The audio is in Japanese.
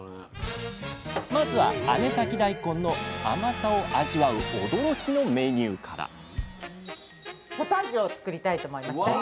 まずは姉崎だいこんの甘さを味わう驚きのメニューからポタージュを作りたいと思います。